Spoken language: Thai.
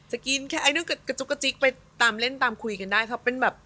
จะกินแค่กระจุกกระจิกไปตามเล่นตามคุยกันได้ครับ